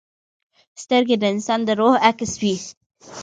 سترګې د انسان د روح عکس وي